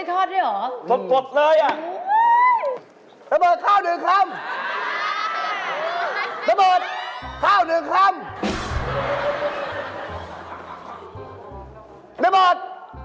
อย่าเดี๋ยวไอ้บอดเมื่อไหร่กูจะถึงข้าวเนี่ย